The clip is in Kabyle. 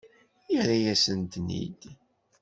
Yerra-yasen-ten-id?